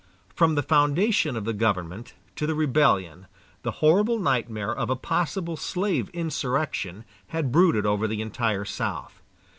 From the foundation of the government to the Rebellion, the horrible nightmare of a possible slave insurrection had brooded over the entire South.